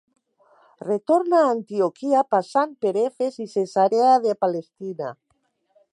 Retorna a Antioquia passant per Efes i Cesarea de Palestina.